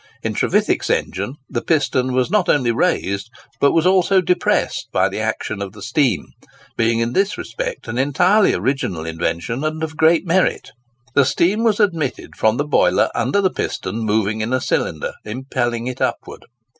In Trevithick's engine the piston was not only raised, but was also depressed by the action of the steam, being in this respect an entirely original invention, and of great merit. The steam was admitted from the boiler under the piston moving in a cylinder, impelling it upward.